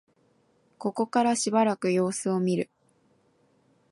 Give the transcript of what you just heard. ここからしばらく様子を見る